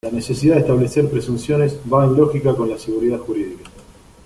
La necesidad de establecer presunciones va en lógica con la seguridad jurídica.